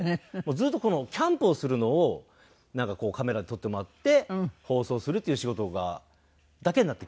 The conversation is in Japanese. ずっとこのキャンプをするのをなんかこうカメラで撮ってもらって放送するっていう仕事がだけになってきて。